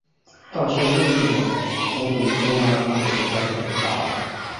但是另一种同等重量的坦克已经开始研发了。